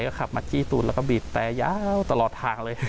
ก็ขับมาจี้ตูดแล้วก็บีบแต่ยาวตลอดทางเลย